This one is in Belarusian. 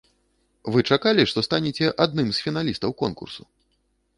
Вы чакалі, што станеце аднымі з фіналістаў конкурсу?